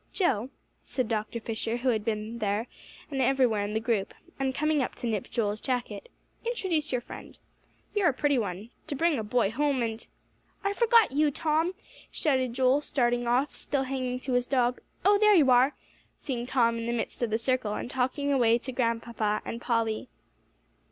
"Joe," said Dr. Fisher, who had been here, there, and everywhere in the group, and coming up to nip Joel's jacket, "introduce your friend. You're a pretty one, to bring a boy home, and " "I forgot you, Tom," shouted Joel, starting off, still hanging to his dog; "oh, there you are!" seeing Tom in the midst of the circle, and talking away to Grandpapa and Polly.